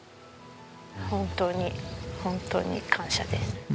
本当に本当に感謝です。